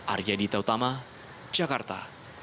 arya dita utama jakarta